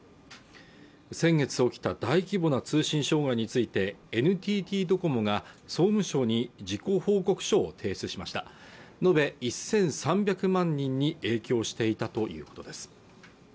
先月起きた大規模な通信障害についてＮＴＴドコモが総務省に事故報告書を提出しました延べ１３００万人に影響していたということです